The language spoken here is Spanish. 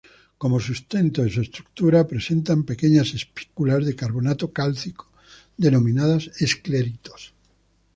Como sustento de su estructura, presentan pequeñas espículas de carbonato cálcico denominadas escleritos.